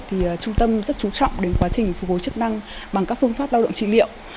thì trung tâm rất chú trọng đến quá trình phục hồi chức năng bằng các phương pháp lao động trị liệu